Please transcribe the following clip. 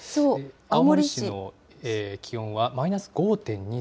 青森市の気温はマイナス５．２度。